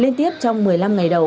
liên tiếp trong một mươi năm ngày đầu